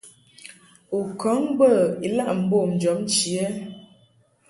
U kɔŋ bə ilaʼ mbom jɔbnchi ɛ ?